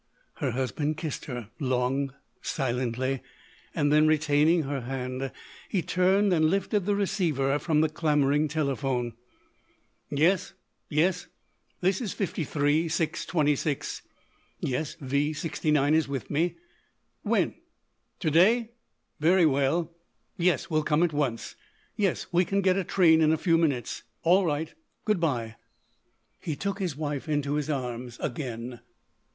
Her husband kissed her, long, silently; then, retaining her hand, he turned and lifted the receiver from the clamouring telephone. "Yes! Yes, this is 53 6 26. Yes, V 69 is with me.... When?... To day?... Very well.... Yes, we'll come at once.... Yes, we can get a train in a few minutes.... All right. Good bye." He took his wife into his arms again.